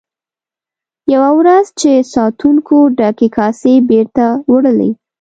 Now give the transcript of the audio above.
یوه ورځ چې ساتونکو ډکې کاسې بیرته وړلې.